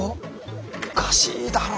おかしいだろ。